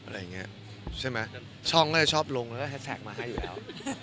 อะไรอย่างนี้ใช่ไหมช่องก็จะชอบลงแล้วก็แฮชแท็กมาให้อยู่แล้ว